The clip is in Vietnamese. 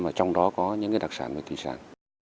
và trong đó có những cái đặc sản về thủy sản